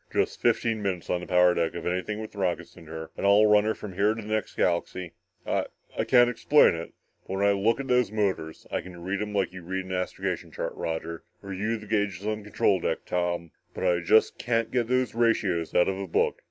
"Just fifteen minutes on the power deck of anything with rockets in her and I'll run her from here to the next galaxy. I I can't explain it, but when I look at those motors, I can read 'em like you read an astrogation chart, Roger, or you the gauges on the control deck, Tom. But I just can't get those ratios out of a book.